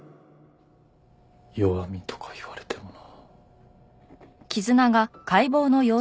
弱みとか言われてもな。